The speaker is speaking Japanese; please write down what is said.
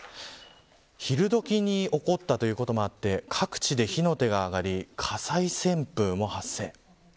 昼どきに起こったということもあって各地で火の手が上がり火災旋風も発生。